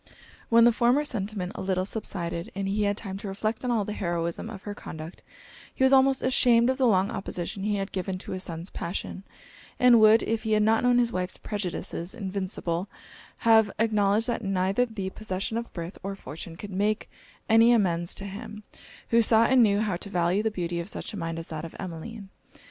When the former sentiment a little subsided, and he had time to reflect on all the heroism of her conduct, he was almost ashamed of the long opposition he had given to his son's passion; and would, if he had not known his wife's prejudices invincible, have acknowledged, that neither the possession of birth or fortune could make any amends to him, who saw and knew how to value the beauty of such a mind as that of Emmeline.